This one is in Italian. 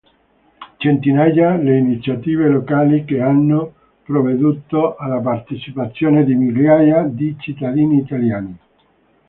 Centinaia le iniziative locali che hanno provveduto alla partecipazione di migliaia di cittadini italiani.